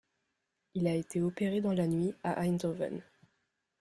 Il a été opéré dans la nuit à Eindhoven.